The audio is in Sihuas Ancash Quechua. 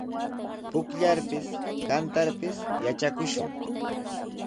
Pukllarpis, kantarpis yatrakushun.